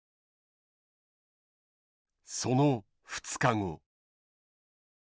その２日後。